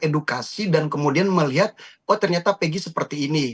edukasi dan kemudian melihat oh ternyata peggy seperti ini